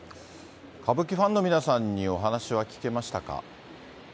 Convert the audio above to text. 歌舞伎ファンの皆さんにお話は聞けましたか？